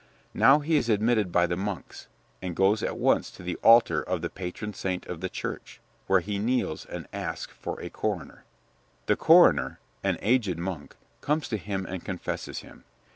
Now he is admitted by the monks, and goes at once to the altar of the patron saint of the church, where he kneels and asks for a coroner. The coroner, an aged monk, comes to him and confesses him.